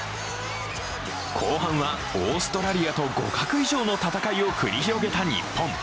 後半はオーストラリアと互角以上の戦いを繰り広げた日本。